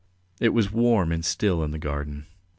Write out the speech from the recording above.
It was warm and still in the garden.